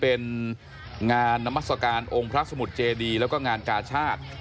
เป็นงานนามัศกาลองค์พระสมุทรเจดีแล้วก็งานกาชาติ